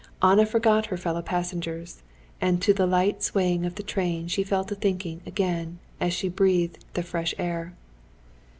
Anna forgot her fellow passengers, and to the light swaying of the train she fell to thinking again, as she breathed the fresh air.